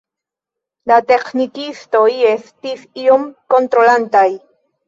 La teĥnikistoj estis ion kontrolantaj.